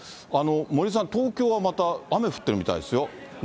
森さん、東京はまた、雨降ってるみたいですよ。